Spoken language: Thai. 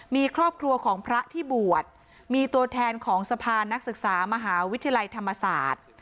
มีครอบครัวของพระที่บวชมีตัวแทนของสะพานนักศึกษามหาวิทยาลัยธรรมศาสตร์